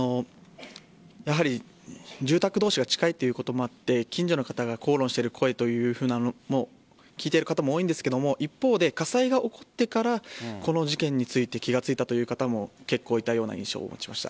やはり住宅同士が近いということもあって近所の方が口論している声を聞いている方も多いんですが一方で火災が起こってからこの事件について気が付いたという方も結構いたような印象を持ちました。